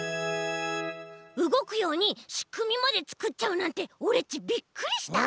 うごくようにしくみまでつくっちゃうなんてオレっちびっくりした！